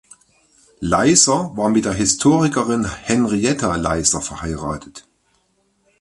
Leyser war mit der Historikerin Henrietta Leyser verheiratet.